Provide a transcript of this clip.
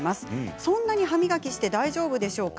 そんなに歯磨きして大丈夫でしょうか。